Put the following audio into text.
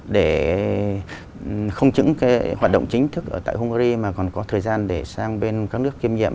để không những hoạt động chính thức ở tại hungary mà còn có thời gian để sang bên các nước kiêm nhiệm